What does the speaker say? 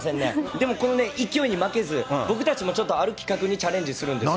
でもこのね、勢いに負けず、僕たちもちょっとある企画にチャレンジするんですよ。